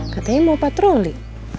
katanya mau patroli